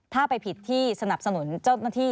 ถ้าไปผิดที่สนับสนุนเจ้าหน้าที่